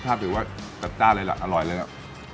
รสชาติถือว่ากระจ้าเลยล่ะอร่อยเลยล่ะ